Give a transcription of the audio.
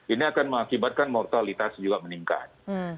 ini akan mengakibatkan mortalitas juga meningkat